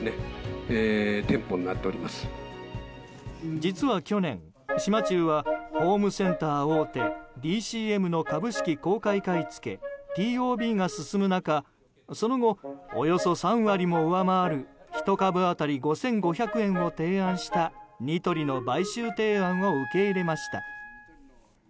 実は去年、島忠はホームセンター大手ＤＣＭの株式公開買い付け・ＴＯＢが進む中その後、およそ３割も上回る１株当たり５５００円を提案したニトリの買収提案を受け入れました。